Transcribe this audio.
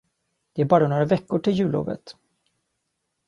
Det är bara några veckor till jullovet!